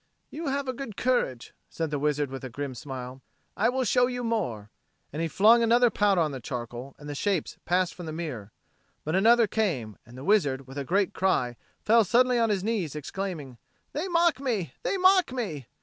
"You have a good courage," said the wizard with a grim smile. "I will show you more;" and he flung another powder on the charcoal; and the shapes passed from the mirror. But another came; and the wizard, with a great cry, fell suddenly on his knees, exclaiming, "They mock me, they mock me!